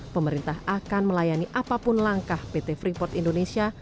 pemerintah akan melayani apapun langkah pt freeport indonesia